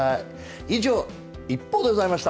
以上、ＩＰＰＯＵでございました。